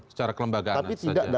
secara kelembagaan saja